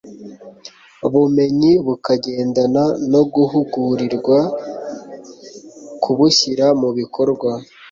bumenyi bukagendana no guhugurirwa kubushyira mu bikorwa.